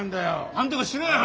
なんとかしろよ。